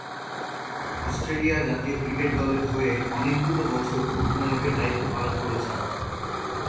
Australia জাতীয় cricket দলের হয়ে অনেকগুলো বছর অধিনায়কের দায়িত্ব পালন করেছেন।